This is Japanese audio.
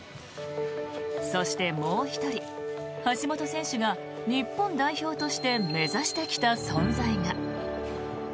そしてもう１人、橋本選手が日本代表として目指してきた存在が。